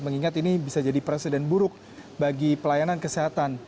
mengingat ini bisa jadi presiden buruk bagi pelayanan kesehatan